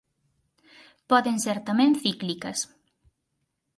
Poden ser tamén cíclicas.